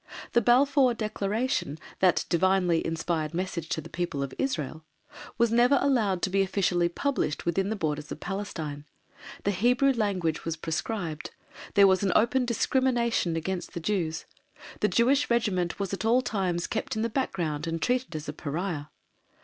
The Balfour Declaration, that divinely inspired message to the people of Israel, was never allowed to be officially published within the borders of Palestine; the Hebrew language was proscribed; there was open discrimination against the Jews; the Jewish Regiment was at all times kept in the background and treated as a pariah.